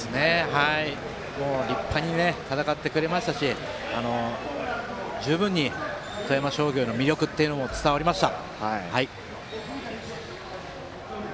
立派に戦ってくれましたし十分に富山商業の魅力というのも伝わりました。